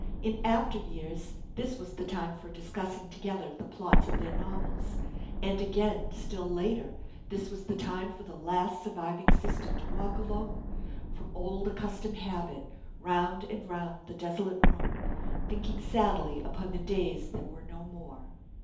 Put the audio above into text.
In after years this was the time for discussing together the plots of their novels. And again, still later, this was the time for the last surviving sister to walk alone, from old accustomed habit, round and round the desolate room, thinking sadly upon the "days that were no more."